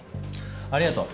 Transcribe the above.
ありがとう。